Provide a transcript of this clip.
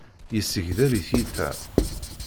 Yessegdel i tyita.